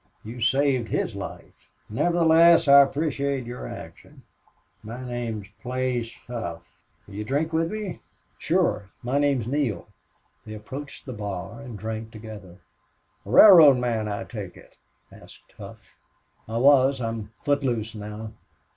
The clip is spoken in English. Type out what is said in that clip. "You saved his life!... Nevertheless, I appreciate your action. My name is Place Hough. Will you drink with me?" "Sure.... My name is Neale." They approached the bar and drank together. "A railroad man, I take it?" asked Hough. "I was. I'm foot loose now."